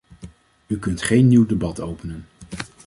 U kunt geen nieuw debat openen.